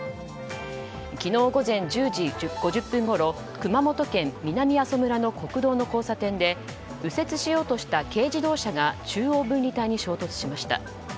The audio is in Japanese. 昨日午前１０時５０分ごろ熊本県南阿蘇村の国道の交差点で右折しようとした軽自動車が中央分離帯に衝突しました。